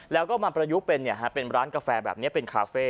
แล้วก็มาประยุกต์เป็นเนี่ยฮะเป็นร้านกาแฟแบบนี้เป็นคาเฟ่